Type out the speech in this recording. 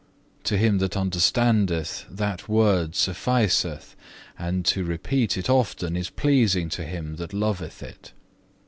To him that understandeth, that word sufficeth, and to repeat it often is pleasing to him that loveth it.